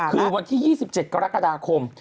คือวันที่๒๗กรกฎาคม